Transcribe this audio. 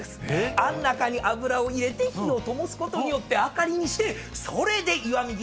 あん中に油を入れて火を灯すことによって灯りにしてそれで石見銀山